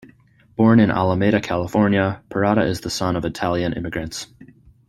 Born in Alameda, California, Perata is the son of Italian immigrants.